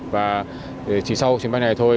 và chỉ sau chuyến bay này thôi